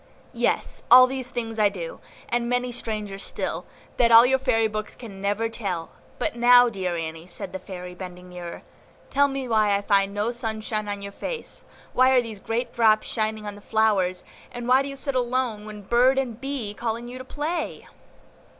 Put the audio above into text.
"Yes, all these things I do, and many stranger still, that all your fairy books can never tell; but now, dear Annie," said the Fairy, bending nearer, "tell me why I found no sunshine on your face; why are these great drops shining on the flowers, and why do you sit alone when BIRD and BEE are calling you to play?"